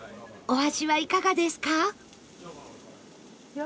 お味はいかがですか？